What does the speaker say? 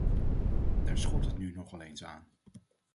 Daar schort het nu nogal eens aan.